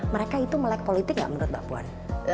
mereka itu melek politik nggak menurut mbak puan